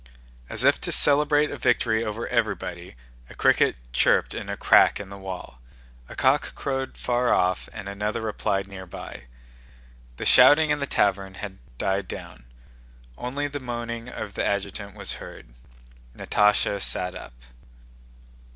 As if to celebrate a victory over everybody, a cricket chirped in a crack in the wall. A cock crowed far off and another replied near by. The shouting in the tavern had died down; only the moaning of the adjutant was heard. Natásha sat up.